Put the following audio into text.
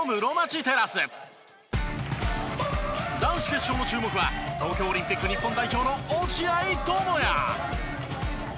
男子決勝の注目は東京オリンピック日本代表の落合知也！